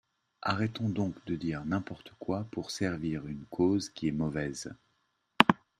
Arrêtez donc de dire n’importe quoi pour servir une cause qui est mauvaise.